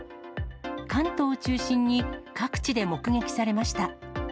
関東を中心に各地で目撃されました。